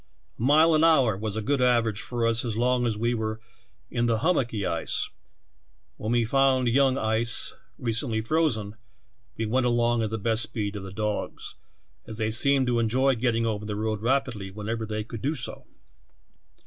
A mile an hour was a good average for us as long as we were in the hum mocky ice; when we found young ice recently frozen, we went along at the best speed of the dogs, as they seemed to enjoy getting over the road rapidly wherever they could do so.